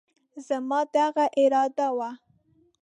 زما دغه اراده وه،